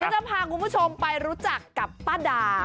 จะพาคุณผู้ชมไปรู้จักกับป้าดา